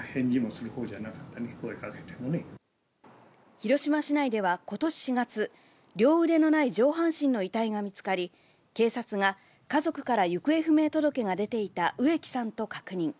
広島市内ではことし４月、両腕のない上半身の遺体が見つかり、警察が家族から行方不明届が出ていた植木さんと確認。